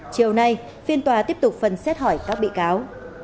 chiều nay phiên tòa tiếp tục phần xét hỏi các bị cáo